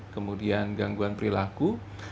kemudian gangguan perilaku